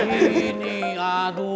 mas jali mas jali